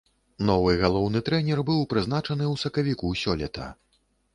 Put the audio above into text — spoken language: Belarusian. Новы галоўны трэнер быў прызначаны ў сакавіку сёлета.